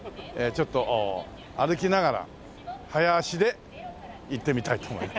ちょっと歩きながら早足で行ってみたいと思います。